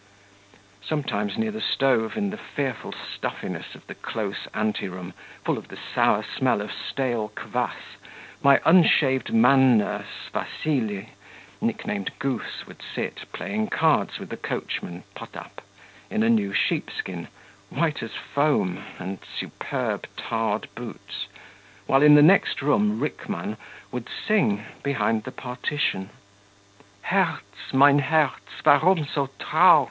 Sometimes, near the stove, in the fearful stuffiness of the close ante room, full of the sour smell of stale kvas, my unshaved man nurse, Vassily, nicknamed Goose, would sit, playing cards with the coachman, Potap, in a new sheepskin, white as foam, and superb tarred boots, while in the next room Rickmann would sing, behind the partition Herz, mein Herz, warum so traurig?